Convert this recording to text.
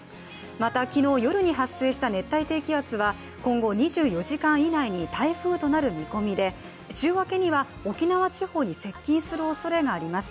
また、昨日夜に発生した熱帯低気圧は今後２４時間以内に台風となる見込みで週明けには沖縄地方に接近するおそれがあります。